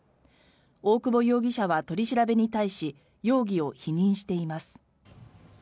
大久保容疑者は取り調べに対し容疑を否認しています。